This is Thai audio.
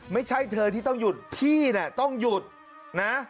ไม่ใช่เธอที่ต้องหยุดพี่เนี่ยต้องหยุดนะ